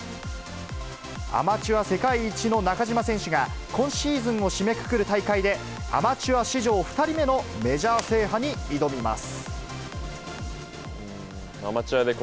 アマチュア世界一の中島選手が今シーズンを締めくくる大会で、アマチュア史上２人目のメジャー制覇に挑みます。